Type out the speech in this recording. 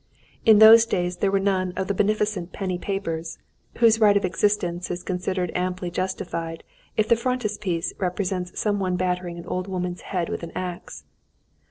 In those days there were none of the beneficent penny papers, whose right of existence is considered amply justified if the frontispiece represents some one battering an old woman's head in with an axe.